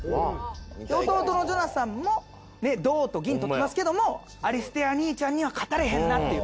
で弟のジョナサンも銅と銀とってますけどもアリステア兄ちゃんには勝たれへんなっていう。